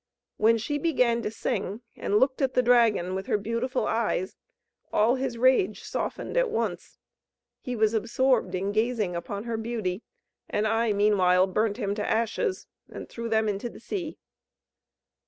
When she began to sing, and looked at the dragon with her beautiful eyes, all his rage softened at once; he was absorbed in gazing upon her beauty, and I meanwhile burnt him to ashes, and threw them into the sea."